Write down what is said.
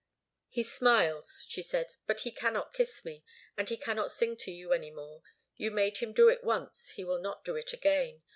"He smiles," she said. "But he cannot kiss me. And he cannot sing to you any more. You made him do it once. He will not do it again.